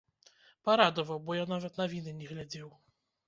Парадаваў, бо я нават навіны не глядзеў.